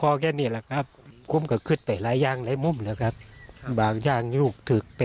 เรากล้มคอแค่นี้ล่ะครับ